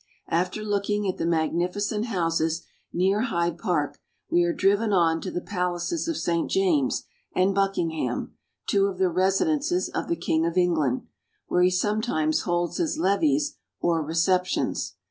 After looking at the magnificent houses near Hyde Park, we are driven on to the palaces of St. James and Buckingham, two of the residences of the king of England, where he sometimes holds his levees or receptions.